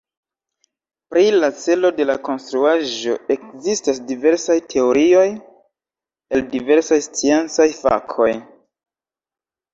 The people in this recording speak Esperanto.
Pri la celo de la konstruaĵo ekzistas diversaj teorioj el diversaj sciencaj fakoj.